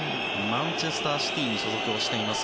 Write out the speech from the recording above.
マンチェスター・シティに所属しています